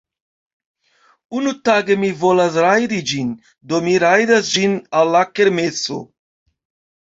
Unutage mi volas rajdi ĝin, Do mi rajdas ĝin al la kermeso